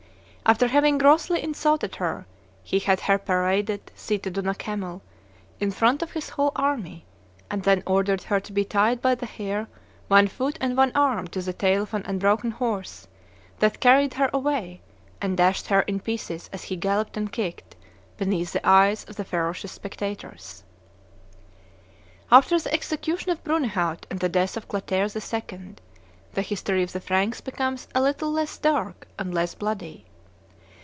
After having grossly insulted her, he had her paraded, seated on a camel, in front of his whole army, and then ordered her to be tied by the hair, one foot, and one arm to the tail of an unbroken horse, that carried her away, and dashed her in pieces as he galloped and kicked, beneath the eyes of the ferocious spectators. [Illustration: The Execution of Brunehaut 175] After the execution of Brunehaut and the death of Clotaire II., the history of the Franks becomes a little less dark and less bloody.